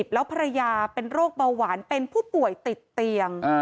แล้วภรรยาเป็นโรคเบาหวานเป็นผู้ป่วยติดเตียง